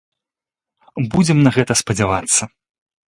Будзем на гэта спадзявацца.